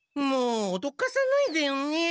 もうおどかさないでよね